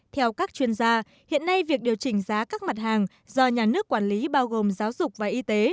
theo các chuyên gia hiện nay việc điều chỉnh giá các mặt hàng do nhà nước quản lý bao gồm giáo dục và y tế